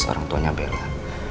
seorang tuanya bella